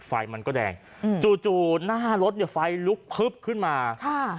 ไฟมันก็แดงจู่หน้ารถไฟลุกพึบขึ้นมา